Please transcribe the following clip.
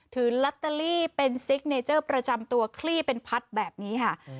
ถือลอตเตอรี่เป็นซิกเนเจอร์ประจำตัวคลี่เป็นพัดแบบนี้ค่ะ